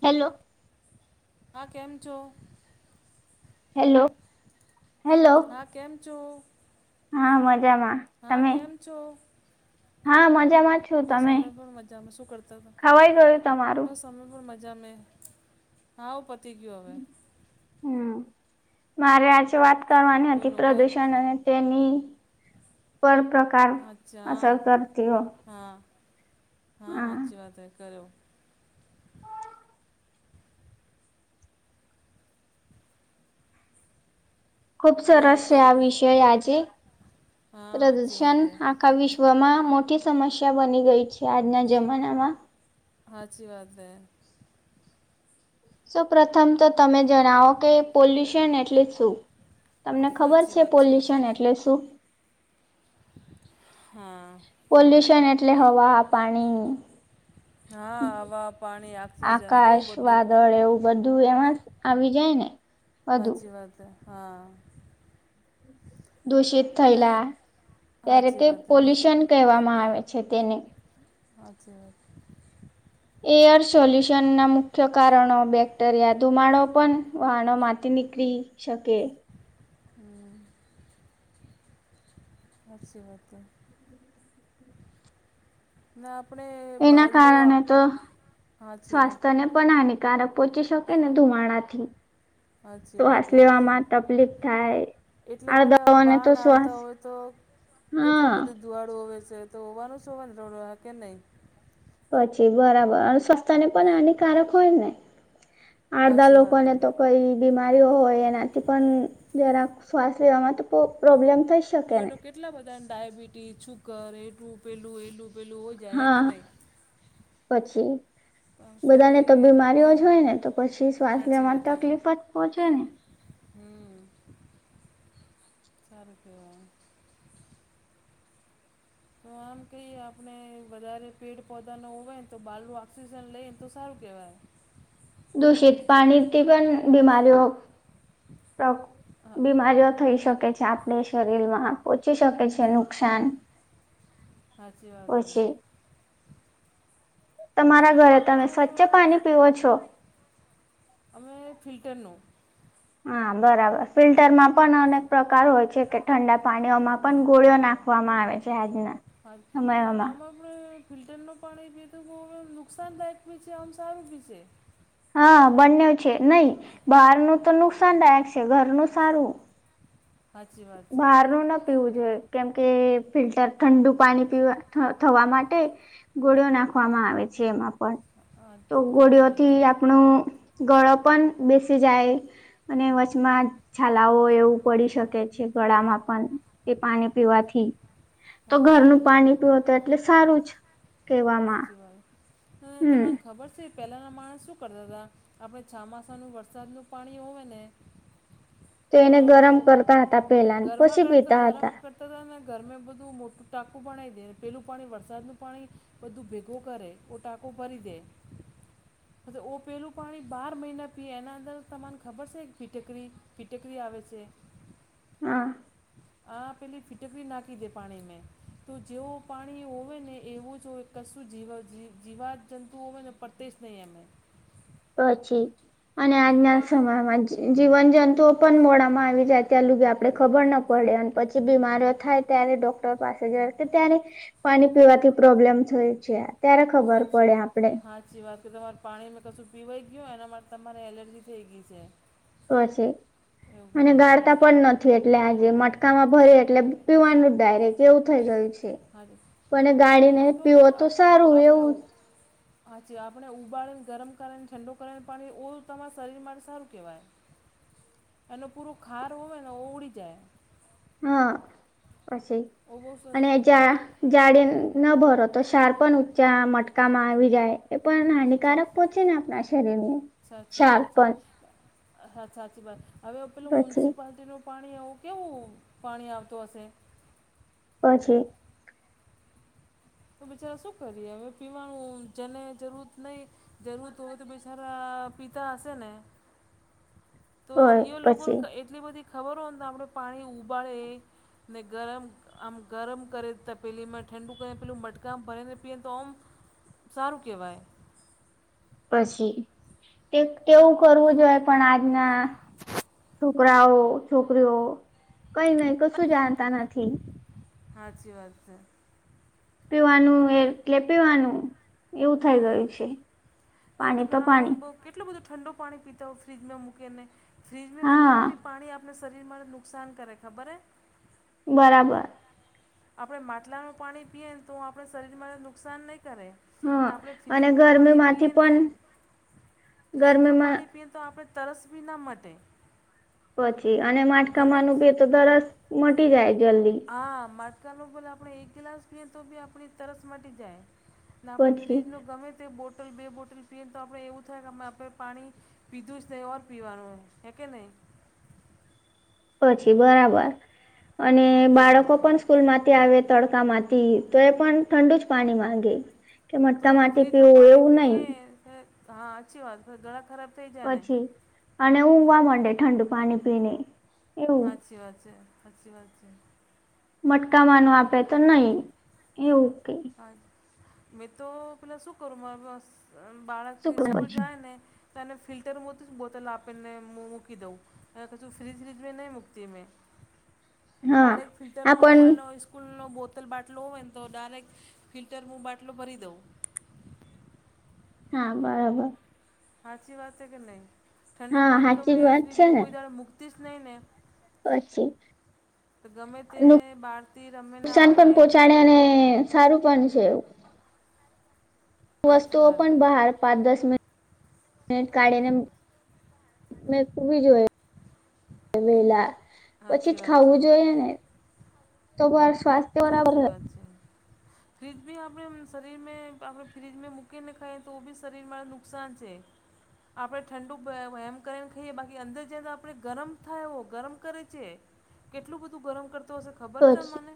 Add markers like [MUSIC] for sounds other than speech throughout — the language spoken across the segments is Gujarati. હેલો. હા, કેમ છો? Hello, hello. હા, કેમ છો? હા, મજામાં. હા, તમે કેમ છો? હા મજામાં છું બસ તમે અમે પણ મજામાં, શું કરતા તા? ખવાઈ ગયું તમારું બસ અમે પણ મજા મે હા આવું પતી ગીયુ હવે. હમમ મારે આજે વાત કરવાની હતી બોલો કયા પ્રદુષણ અને તેની પર પ્ર કાર અસલ અચ્છા કરતી હો જુએ આ તુએ કર્યું. ખુબ બોલો સરસ છે કરો આ વિષય આજે હા સાચી પ્રદર્શન વાત હે આખા વિશ્વમાં મોટી સમસ્યા બની રહી છે આજના જમાનામાં હાચી વાત હે. સૌ પ્રથમ તો તમે જણાવો કે પોલ્યુશન એટલે શું? તમને ખબર સાચી છે, વાત પોલ્યુશન તમારી એટલે શું? હા પોલ્યુશન એટલે હવા, પાણી હા હવા, પાણી આપણી જન કેવું આકાશ બધું વાદળ એવું બધું એમાં જ આવી જાય ને? બધું હાચી વાત હે હા. દૂષિત ને થયેલા ત્યારે સાચી તે વાત હે પોલ્યુશન કહેવામાં આવે છે તેને. સાચી વાત છે. એર પોલ્યુશનના મુખ્ય કારણો બેક્ટેરિયા, ધુમાડો પણ વાહનોમાંથી નીકળી શકે. હમ્મ. હાચી વાત હે. ના, આપણેે એના કારણે બહારનું, તો હાચી વાત. સ્વાસ્થ્યને પણ હાનિકારક પહોંચી શકે ને ધુમાડાથી હાચી વાત શ્વાસ હે લેવામાં તકલીફ થાય. એટલા બધા આડદાઓને વાહન હાલતા હોય તો હમમ દુવાળું હોવે સે તો હોવાનું શુવે ને કેમ નહી. પછી બરાબર અને સ્વસ્તા ને પન હાનિકારક હોય ને અડધા સાચી વાત લોકોને હે તો કઈ બીમારીઓ હોય એનાથી પન જરાક શ્વાસ લેવામાં તો પ્રો પ્રોબ્લેમ થસે અયા તો કેટલા બધા ને ડાયાબિટીસ, શુગર એલુ પેલું એલું પેલું ઓ હા પછી પણ બધાને તો શરીર બીમારીઓ આપણે જ હોય ને તો પછી શ્વાસ લેવામાં તકલીફ જ પહોંચે ને. હમમ હારું કેવાય. તો આમ કહીએ આપણે વધારે પેડ પૌધા નો હોવે ને તો બાલું ઓક્સિજન લઈ ને તો સારું કેવાય. દૂષિત પાણીથી પણ બીમારીઓ તો હા બીમારીઓ થઈ શકે છે આપડે શરીર માં પોચી શકે છે નુકસાન [INAUDIBLE] હાચી વાત હે. પછી તમારા ઘરે તમે સ્વચ્છ પાની પીવો છો? અમે ફિલ્ટરનું હા બરાબર ફિલ્ટરમાં પણ અનેક પ્રકાર હોય છે કે ઠંડા પાણીઓમાં પણ ગોળીઓ નાખ નાખવામાં આવે છે આજના હા તો સમયમાં આમાં આપણે ફિલ્ટરનું પાણી પીધું તો નુકસાનદાયક બી છે એમ સારું બી છે. હા બંનેવ છે નઈ બાર નું તો નુકસાનદાયક છે, ઘરનું સારું. સાચી વાત છે બારનું ન પીવું જોઈએ. કેમ કે ફિલ્ટર ઠંડુ પાણી પીવા થવા માટે ગોળિયો નાખવામાં આવે છે એમાં પણ હા તો સાચી વાત ગોળિઓથી છે હા આપણું ગળો પણ બેસી જાય અને વચમાં છાલાઓ એવું પડી શકે છે. ગળામાં પણ એ પાણી પીવાથી તો સાચી ઘરનું વાત પાણી પીવો તો એટલે સારું છે હાચી વાત અને હમ તમાર ખબર છે પેલાંના માણસ શું કરતા તા આપણે છમાસાનું વરસાદનું પાણી હોવે ને તો તેને ગરમ કરતા હતા પેલા પછી પીતા હતા ત તમે ગરમે બધું મોટું ટાકું બનાઈ દે પેલું પાણી વરસાદનું પાણી બધું ભેગું કરે ઓટાકો ભરી દે [INAUDIBLE] હ ત ઓ પેલું પાણી બાર મહિના પીએ એના અંદર તમને ખબર છે ફિટકરી ફિટકરી આવે છે [INAUDIBLE] આપ પેલી ફિટકડી નાખી દે પાણીમે તો જેવો પાણી હોવે ને એવું જ હોય કશું જીવ જી જીવાત જંતુઓવે ને પડતે જ નહીં એમે પછી અને હું આજના પણ સમયમાં જીજીવન જંતુ પન મોડામાં આવી જાય ત્યાં લુગી આપ પડે ખબર ન પડે અને પછી બીમારીઓ થાય ત્યારે ડોક્ટર પાસે જવા ત્યારે પાણી પીવાથી પ્રોબ્લેમ થયો છે ત્યારે ખબર હાચે પડે આપડે હા જીવાત કે તમારું પાણી મે કશું પીવાઈ ગયું એના માટે તમારે એલર્જી થઈ ગઈ છે પછી એવું અને કરતા ગાડતા હોય પણ નથ થી એટલે આજે મટકામાં ભરી એટલે પીવાનું ડાયરેક એવું થઈ ગયું છે પણ હાજી ગાડીને તમારે કહું ને પીવો તો આપ સારું આપણે એવું હાચી આપણે ઉબાળીને ગરમ કરીને ઠંડો કરેને પાણી ઓ તમારા શરીર માટે સારું કેવાય હ [INAUDIBLE] એનો પૂરો ખાર હોય ને ઉડી જાય હા પછી ઓ બહુ સરસ અને જ્યાં કહેવાય જાડીે ન ભરો તો સાર પણ ઊંચા મટકામાં આવી જાય એ પણ હાનિક કારક સાચ પહોચે ને આપણા શરીર ને સાચી શાર વાત છે પણ હા સાચી વાત હવે પેલુ પછી મૂયનિસિપાલટી નુ પાણી આવું કેવું પાણી આવતું હશે પછી તો બિચારા શું કરીએ હવે પીવાનું જેને જરૂર નહી જેરુર તો જ બિચારા પીતા હશેને તો એ લોકોને પછી એટલી બધી ખબર હોય ને આપણે પાણી ઉબાળે ને ગરમ આમ ગરમ કરે તપેલી મા ઠંડુ કરી પહેલું મટકા ભરેને પીવે તો આમ સારું કહેવાય પછી તેવું કરવું જ હોય પણ આજના છોકરાઓ છોકરીઓ કઈ નઈ કશું જાણતા નથી હાચી વાત છે પીવાનું એટલે પીવાનું એવું થઈ હમ ગયું છે તમે પાણી તો ઘણા પાણી માણસ બહુ કેટલું બધો ઠંડો પાણી પીતા હોય ફ્રીજમાં મૂકીને ફ્રીજમાં મૂકીને હા બી પાણી આપ શરીરમાં નુકસાન કરે ખબર હે બરાબર આપણે માટલાનું પાણી પીએ ને તો હું આપણે શરીરમાં નુકસાન નહીં કરે હા આપણે અને ફ્રીજ નુ ગરમી પાણી માંથી પીએ ને પણ ફ્રીજ નુ ગરમીમાં પાણી પીએ તો આપણે તરસ બી ના મટે પછી અને માટકા ગમે માનું બી તો તરસ મટી જાય જલ્દી હા માટકાનું ભલે આપણે એક ગ્લાસ પીએ તો બી આપણી તરસ મટી જાય ને આપણે પછી ફ્રીજ નુ ગમે તે બોટલ બે બોટલ પીએને તો આપડે એવું થાય કે આપણે પાણી પીધું જ નહી ઓર પીવાનું હૈ કેહીં પછી બરાબર અને સાચી બાળકો વાત છે પણ સ્કૂલમાંથી આવે તડકામાંથી તો એ પણ ઠંડુ જ પાણી માંગે. કે તો મટકા માંથી ફ્રીજનું પીવું પાણી એવું નહી પીએ હા સાચી વાત ગળા ખરાબ થઈ જાય ને પછી અને ઊવા માંડે ઠંડુ પાણી પીને હા એવું હાચી વાત છે હાચી વાત છે. મટકા માનું આપે તો નહી એવું ક હા મેં તો પેલાં શું કરું [INAUDIBLE] બાળક શું સ્કૂલ પછી જાય ને તો એને ફિલ્ટર માતું જ બોટલ આપીને મૂકી દઉં અને કશું ફ્રીજ ફ્રીજ મે નહીં મૂકતી મેં [INAUDIBLE] ડાયરેક્ટ ફિલ્ટર મુ આપણ એનો સ્કૂલ નો બોતલ બાટલો હોયને તો ડાયરેક્ટ ફિલ્ટરમુું બાટલો હુ ભરી દઉ. હા બરાબર સાચી વાત છે કે નહીં ઠંડુ હા પાણી તો સાચી મે જ વાત છે ફ્રીજમાં ને કોઈ દાળો મૂકતી જ નહીં ને પછી તો ગમે તે બહારથી રમીને નુકસાન આવે પણ પહોંચાડે અને સારું પણ છે એવું સાચી વસ્તુઓ વાત પણ છે બહાર પાંચ દસ મિન મિનિટ કાઢીને‌ મુક મુકવી જોય વેલા પછી જ સાચી વાત છે ખાવું જોઈએ. [INAUDIBLE] સાચી વાત છે. હ [INAUDIBLE] ફ્રીજ બી આપણે શરીરમાં આપણે ફ્રીજમાં મૂકીને ખાઈએ તો બી શરીરમાં નુકસાન છે. આપણે ઠંડુ એમ કરીને ખાઈએ બાકી અંદર જ આપણે ગરમ થાય હો ગરમ કરે છે. કેટલું બધું ગરમ કરતો હશે ખબર તો જ તમને?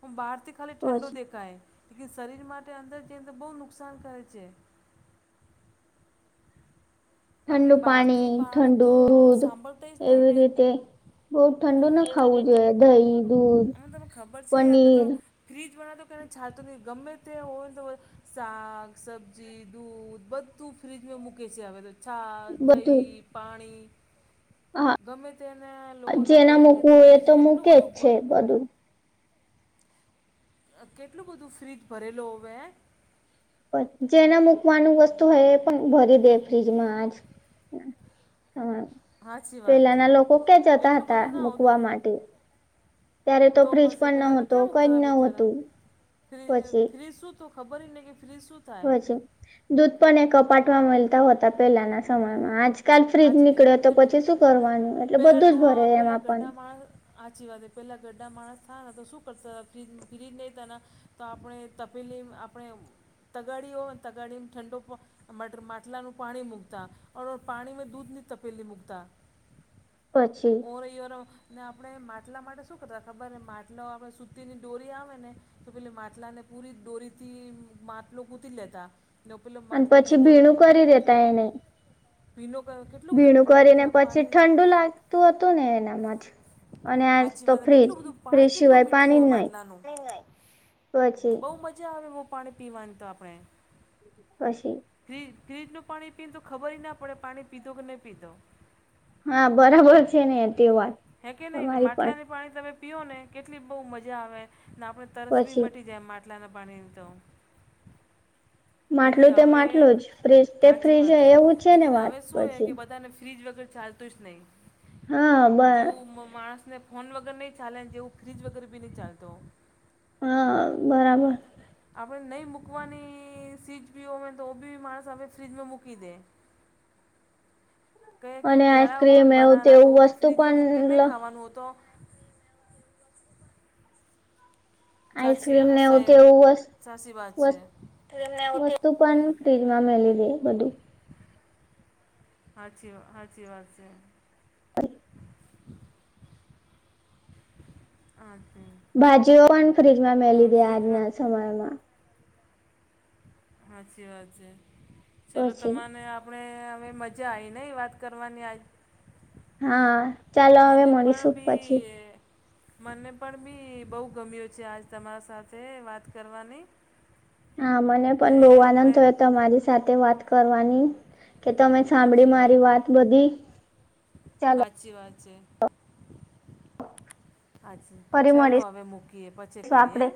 હ બહારથી ખાલી તો જ ઠંડો દેખાય [INAUDIBLE] શરીર માટે અંદર જઈ અંદર બહુ નુકસાન કરે છે. ઠંડુ બાકી બાળક પાણી બાળક ઠંડુ તો દૂધ સાંભળતા જ નહીં એવી ને રીતે બઉ ઠંડુ ના ખાવું જોઈએ દહી, દૂધ, અમે તમને ખબર છે અમે તો પનીર ફ્રીજ બનાવ તો કેને છાયને ગમે તે ઓ હોય ને તો શાક, સબ્જી, દૂધ બધું તું ફ્રિજમાં મૂકે છેવે તો છાસ, બધું દહી, પાણી હા ગમે તેના લોકો ના જેના ઘેર જઈને તો મૂકવું એ ફ્રીજ કેટલું મૂકે જ બધું ભર છે બધું. કેટલું બધું ફ્રીજ ભરેલો હોવે. જે ના મૂકવાનું વસ્તુ હેય એ પણ ભરી દે ફ્રીજમાં આજ સમય સાચી વાત છે પેલાના લોકો ક્યાં જતા એટલું હતા બધું ના હોય તો મૂકવા માટે? ત્યારે તો ફ્રીઝ બસ એ પણ ન પહેલાંના હતો ક્યાં કઈ મૂકતા ન હતા બિચારા હતું ફ્રીજ પછી. ફ્રીજ શું તો ખબર એ નહીં કે ફ્રીજ સુ પછી દૂધ પણ એ કપાટ મળતા હો હતા પેલાના સમયમાં આજ કાલ ફ્રીજ સાચી નીકળે તો ને પછી શું કરવાનું એટલે પેલા બધું જ ભરે ડોહા પેલા એમાં પણ ગઢડા માણસ આચી વાત પહેલા ગરડા માણસ થાયને તો શું કરતા ફ્રીજ નહીં તા તો આપણે તપેલી આપણે તગાડીઓ તગાડીને ઠંડો માટ માટલાનું પાણી મૂકતા અ પાણીમાં દૂધની તપેલી મૂકતા. પછી [INAUDIBLE] આપણે માટલા માટે શું કરતા ખબર માટલો આપણે સૂતીની ડોરી આવે ને તો પેલી માટલા ને પૂરી દોરીથી માટલો કૂતી લેતા. ને પેલો અને માટલો પછી ભીગો હતો તો ભીણું કરી કેટલું? દેતા એને ભીનો કેટલું બધું ભીણું ઠંડુય કરીને છે પછી પાણી ઠંડુ લાગતું હતું ને એનામાં જ અને આજ હાચી તો વાત ફ્રીજ કેટલું બધું ફ્રીજ પાણી કેટલું સિવાય મીઠું પાણી હોય જ નહી માટલાનું પછી બહુ મજા આવે એવું પાણી પીવાની તો આપણે પછી ફ્રીજ ફ્રીજ નું પાણી પીને તો ખબર ના પડે પાણી પીધો કે નહી પીધો. હા બરાબર છે ને તે વાત. હે કે નહી ને તમારી પણ માટલાની પાણી તમે પીઓ ને કેટલી બહુ મજા આવે ને આપણે તરસ બી પછી મટી જાય માટલાના પાણી ના તો. લેકી માટલું તે હવે માટલું જ ફ્રીજ તે સાચી ફ્રીજ વાત હે એવું છે ને લેકિન વાત હવે શું હે પછી કે બધાને ફ્રીજ વગર ચાલ ચાલતું જ હા બ નહી જેવું મા માણસને ફોન વગર નહીં ચાલે જેવું ફ્રીજ વગર બી નહી ચાલતો. હા બરાબર. આપણે નહી મૂકવાની [UNINTELLIGIBLE] પી હોયને તો બી માણસ હવે ફ્રીજમાં મૂકી દે. ક કે અને કેળા હોય આઈસ્ક્રીમ ને એવું બનાના તો તેવું બી વસ્તુ ફ્રીજમાં મૂકીને પણ નહી ખાવાનું હો તો. સાચી આઈસક્રીમ હા નહી હોતી વાસ સાચી વાત છે. વાસ એમને વાસ ઉતે વસ્તુ પણ ફ્રીજમાં મેલી દે બધું. હાચી હાચી વાત છે. [UNINTELLIGIBLE] ભાજીઓ પણ ફ્રીજમાં તમે મેલી દે ફ્રીજ આજના સમયમાં. હાચી વાત છે ચલો પછી તમાને આપ આપણે અવે મજા આવી નહીં વાત કરવાની આ હા ચાલો હવે મને પણ મળીશું બી પછી. મને પણ બી બહુ ગમ્યો છે આજ તમારા સાથે વાત કરવાની. હા મને પણ ને બહુ આનંદ આપણે થયો તમારી સાથે વાત કરવાની. કે તમે સાંભળી મારી વાત બધી. ચાલો હાચી વાત છે. અચ્છા ફરી ચાલો મળીશું હવે મૂકીએ પછી કરીએ આપડે હે.